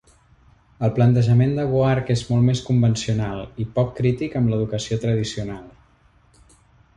El plantejament de Buarque és molt més convencional i poc crític amb l'educació tradicional.